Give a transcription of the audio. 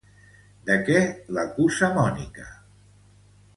De què l'acusa Mónica?